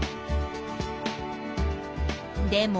でも。